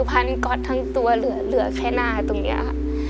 พันก๊อตทั้งตัวเหลือแค่หน้าตรงนี้ค่ะ